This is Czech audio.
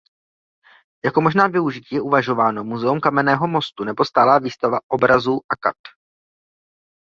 Jako možná využití je uvažováno muzeum Kamenného mostu nebo stálá výstava obrazů akad.